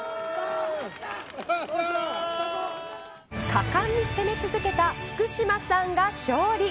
果敢に攻め続けた福島さんが勝利。